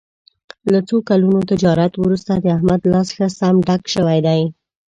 له څو کلونو تجارت ورسته د احمد لاس ښه سم ډک شوی دی.